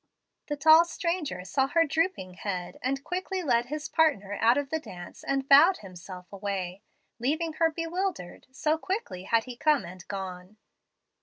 "The tall stranger saw her drooping head, and quickly led his partner out of the dance and bowed himself away, leaving her bewildered, so quickly had he come and gone.